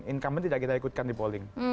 incumbent tidak kita ikutkan di polling